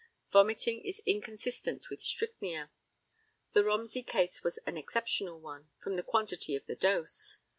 Vomiting is inconsistent with strychnia. The Romsey case was an exceptional one, from the quantity of the dose.